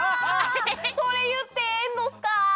それ言ってええんどすか？